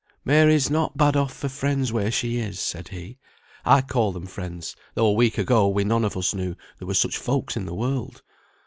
"Mary's not bad off for friends where she is," said he. "I call them friends, though a week ago we none of us knew there were such folks in the world.